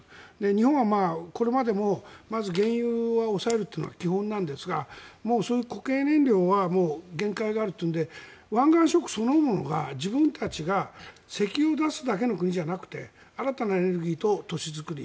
日本はこれまでもまず原油は押さえるというのは基本なんですがもうそういう国営燃料は限界があるというので湾岸諸国そのものが自分たちが石油を出すだけの国じゃなくて新たなエネルギーと都市づくり